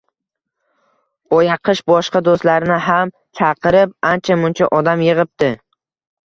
Boyaqish boshqa do‘stlarini ham chaqirib, ancha-muncha odam yig‘ibdi